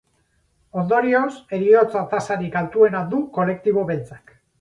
Ondorioz, heriotza-tasarik altuena du kolektibo beltzak.